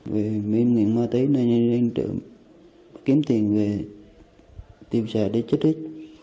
vì nghiện ma túy nên nên kiếm tiền về tiêm xài để trích ít